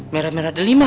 merah merah ada lima